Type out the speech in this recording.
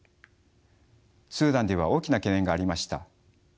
スーダンでは大きな懸念がありました。